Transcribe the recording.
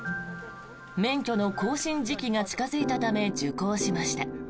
免許の更新時期が近付いたため受講しました。